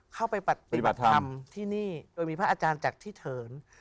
เข้าไปปฏิบัติธรรมที่นี่โดยมีพระอาจารย์จากที่เถิน